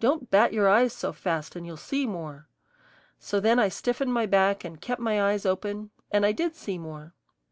Don't bat your eyes so fast and you'll see more." So then I stiffened my back and kept my eyes open, and I did see more.